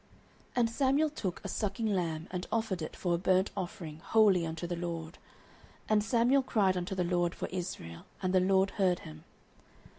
09:007:009 And Samuel took a sucking lamb, and offered it for a burnt offering wholly unto the LORD: and Samuel cried unto the LORD for Israel; and the LORD heard him.